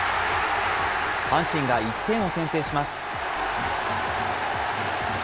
阪神が１点を先制します。